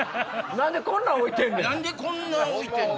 何でこんな置いてんねん。